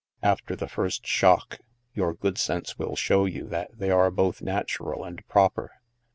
After the first shock, your good sense will show you that they are both natural and proper.